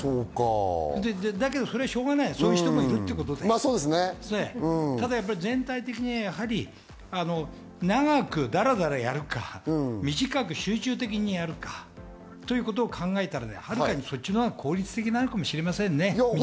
だけどそれはしょうがない、そういう人もいるってことで、ただ全体的に長くだらだらやるか、短く集中的にやるかということを考えたらはるかにそっちの方が効率的なのかもしれませんね。